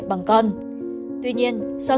bằng con tuy nhiên sau